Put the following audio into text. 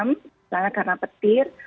misalnya karena petir